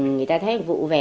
người ta thấy vụ về